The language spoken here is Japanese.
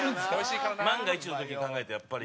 万が一の時を考えてやっぱり。